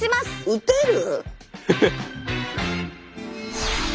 打てる？